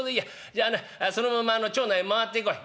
じゃあなそのまま町内回ってこい。